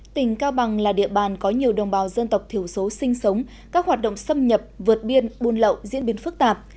tỉnh cao bằng là địa bàn có nhiều đồng bào dân tộc thiểu số sinh sống các hoạt động xâm nhập vượt biên buôn lậu diễn biến phức tạp